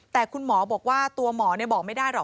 แต่คุณหมอบอกว่าตัวหมอบอกไม่ได้หรอก